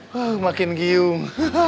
wah makin giung